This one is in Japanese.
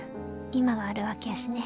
今があるわけやしね」。